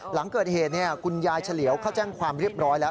หลังเกิดเหตุคุณยายเฉลียวเข้าแจ้งความเรียบร้อยแล้ว